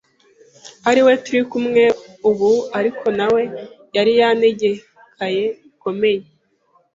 ari we turi kumwe ubu ariko na we yari yanegekaye bikomeye,